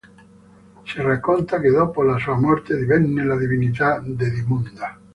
Si racconta che dopo la sua morte divenne la divinità Dedimunda.